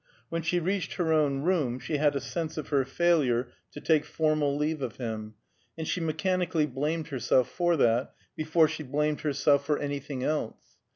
When she reached her own room, she had a sense of her failure to take formal leave of him, and she mechanically blamed herself for that before she blamed herself for anything else.